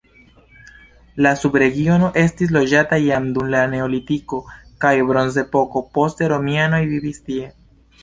La subregiono estis loĝata jam dum la neolitiko kaj bronzepoko, poste romianoj vivis tie.